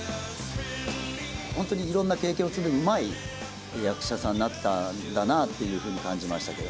本当にいろんな経験を積んで、うまい役者さんになったんだなっていうふうに感じましたけど。